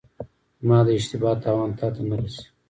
زما د اشتبا تاوان تاته نه رسي.